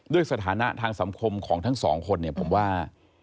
ด้วยสถานะทางสัมคมของทั้งสองคนผมว่า